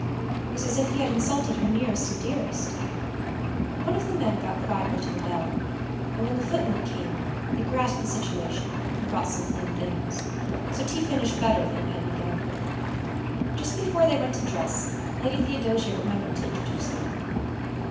It was as if he had insulted her nearest and dearest! But one of the men got quietly to the bell, and when the footmen came they grasped the situation and brought some clean things, so tea finished better than it had begun. Just before they went to dress Lady Theodosia remembered to introduce them.